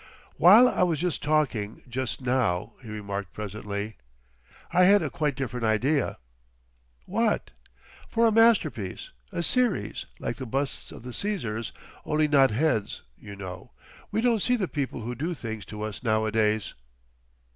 "While I was talking just now," he remarked presently, "I had a quite different idea." "What?" "For a masterpiece. A series. Like the busts of the Cæsars. Only not heads, you know. We don't see the people who do things to us nowadays..."